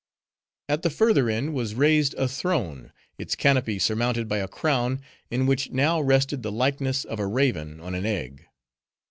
At the further end, was raised a throne, its canopy surmounted by a crown, in which now rested the likeness of a raven on an egg.